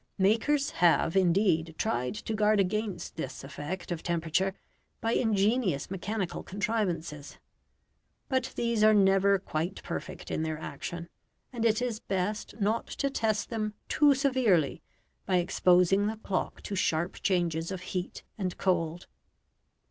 Makers have, indeed, tried to guard against this effect of temperature, by ingenious mechanical contrivances. But these are never quite perfect in their action, and it is best not to test them too severely by exposing the clock to sharp changes of heat and cold.